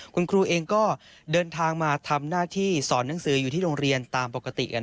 คุณครูเองก็เดินทางมาทำหน้าที่สอนหนังสืออยู่ที่โรงเรียนตามปกติ